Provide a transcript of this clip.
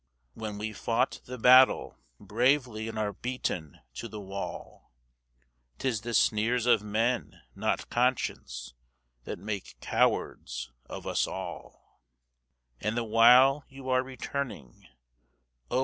When we've fought the battle bravely and are beaten to the wall, 'Tis the sneers of men, not conscience, that make cowards of us all; And the while you are returning, oh!